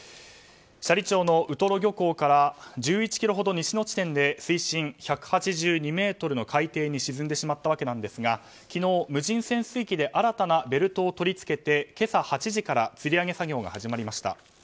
斜里町のウトロ漁港から１１ｋｍほど西の地点で水深１８２ｍの海底に沈んでしまったわけですが昨日、無人潜水機で新たなベルトを取り付けて今朝８時からつり上げ作業が始まりました。